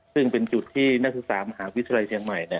ซึ่งเป็นจุดที่นักศึกษามหาวิทยาลัยเชียงใหม่